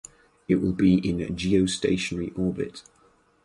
It will be in geostationary orbit.